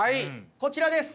こちらです！